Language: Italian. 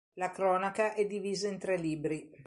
La cronaca è divisa in tre libri.